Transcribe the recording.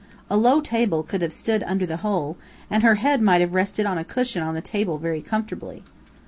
A low table could have stood under the hole, and her head might have rested on a cushion on the table very comfortably."